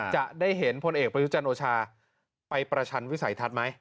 จะได้เห็นพลเอกประยุจันทร์โอชาไปประชันวิสัยทัศน์ไหม